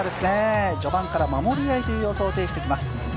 序盤から守り合いという様相を呈してきます。